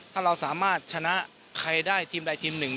ถ้าเราสามารถชนะใครได้ทีมใดทีมหนึ่ง